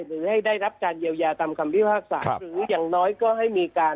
หรือให้ได้รับการเยียวยาตามคำพิพากษาหรืออย่างน้อยก็ให้มีการ